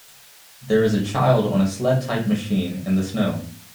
There is a child on a sled type machine in the snow